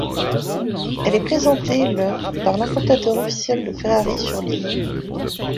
Elle est présentée le par l'importateur officiel de Ferrari sur l'île.